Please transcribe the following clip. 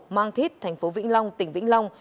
mang thít tp vĩnh long tỉnh vĩnh long